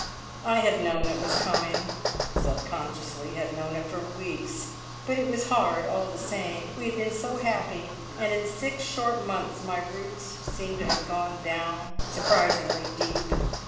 I had known it was coming subconsciously had known it for weeks, but it was hard all the same. We had been so happy, and in six short months my roots seemed to have gone down surprisingly deep.